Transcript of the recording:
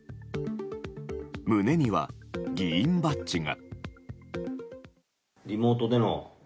胸には議員バッジが。